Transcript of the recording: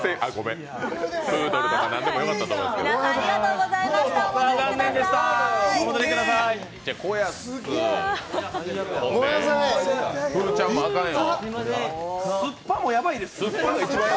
プードルとか何でもよかったと思います子安。